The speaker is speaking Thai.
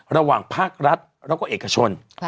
ระหว่างภาครัฐแล้วก็เอกชน